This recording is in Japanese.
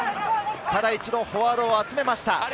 ただ一度、フォワードを集めました。